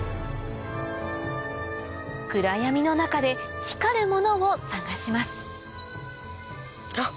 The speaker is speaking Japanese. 暗闇の中で光るものを探しますあっ